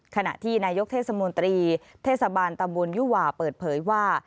ขณะที่นายกเทศมนตรีเทศบาลตำบลยุหว่าเปิดเผยว่า